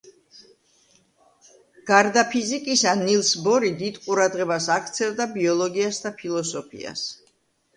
გარდა ფიზიკისა, ნილს ბორი დიდ ყურადღებას აქცევდა ბიოლოგიას და ფილოსოფიას.